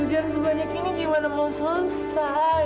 hujan sebanyak ini gimana mau selesai